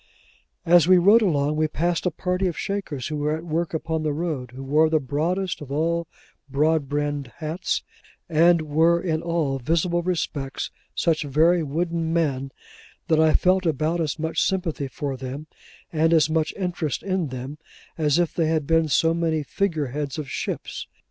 As we rode along, we passed a party of Shakers, who were at work upon the road; who wore the broadest of all broad brimmed hats; and were in all visible respects such very wooden men, that I felt about as much sympathy for them, and as much interest in them, as if they had been so many figure heads of ships.